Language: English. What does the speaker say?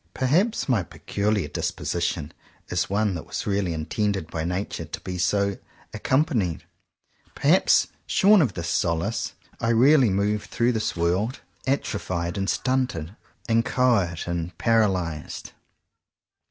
Perhaps my peculiar disposition is one that was really intended by nature to be so accompanied. Perhaps, shorn of this solace, I really move through this world 33 CONFESSIONS OF TWO BROTHERS atrophied and stunted, inchoate and par alyzed.